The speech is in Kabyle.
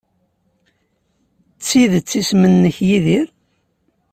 D tidet isem-nnek Yidir?